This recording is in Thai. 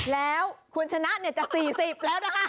แล้วคุณชนะจะ๔๐แล้วนะคะ